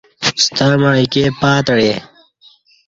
ستمع ایکی پاتعے